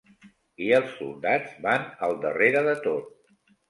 I els soldats van al darrere de tot.